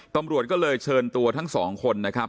ตำรวจก็เลยเชิญตัวทั้งสองคนนะครับ